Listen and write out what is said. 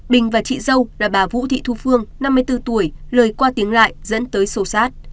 bình và chị dâu là bà vũ thị thu phương năm mươi bốn tuổi lời qua tiếng lại dẫn tới sâu sát